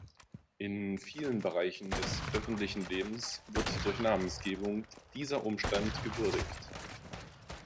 In vielen Bereichen des öffentlichen Lebens wird durch Namensgebung dieser Umstand gewürdigt.